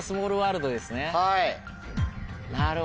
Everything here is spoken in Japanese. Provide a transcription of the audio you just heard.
はい。